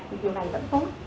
thì điều này vẫn tốt